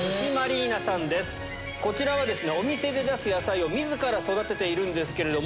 こちらはお店で出す野菜を自ら育てているんですけど。